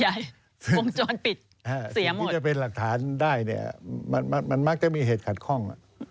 สิ่งที่จะเป็นหลักฐานได้เนี่ยมันมักจะมีเหตุขัดข้อง